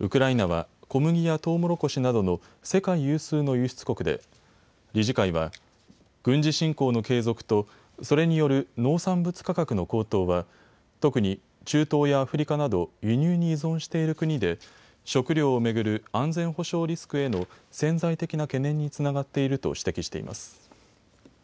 ウクライナは小麦やトウモロコシなどの世界有数の輸出国で理事会は、軍事侵攻の継続とそれによる農産物価格の高騰は特に中東やアフリカなど輸入に依存している国で食料を巡る安全保障リスクへの潜在的な懸念につながっていると指摘しています。